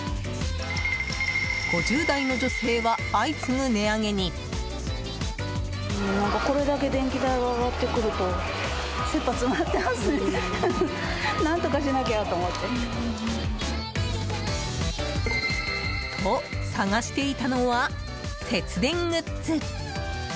５０代の女性は相次ぐ値上げに。と、探していたのは節電グッズ！